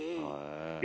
え？